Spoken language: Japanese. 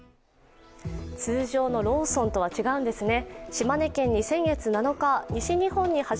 通常のローソンとは違うんですね。